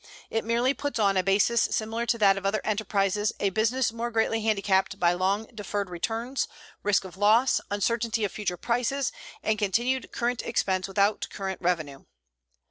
It merely puts on a basis similar to that of other enterprises a business more greatly handicapped by long deferred returns, risk of loss, uncertainty of future prices, and continued current expense without current revenue.